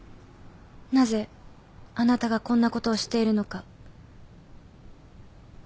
なぜあなたがこんなことをしているのか。